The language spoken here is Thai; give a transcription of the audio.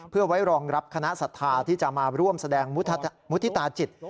เพื่อไว้รองรับคณะศรัทธาที่จะมาร่วมแสดงมุฒิตาจิต